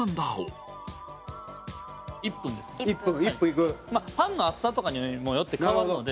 水田：パンの厚さとかにもよって変わるんで。